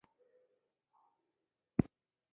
شیخ مجید له موږ سره همدلته یو ځای شو.